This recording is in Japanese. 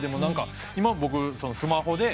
今僕スマホで。